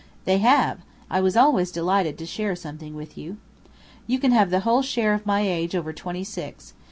"They have. I was always delighted to share something with you." "You can have the whole share of my age over twenty six.